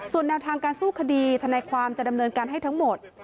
ส่วนแนวทางการสู้คดีธนายความจะดำเนินการให้ทั้งหมด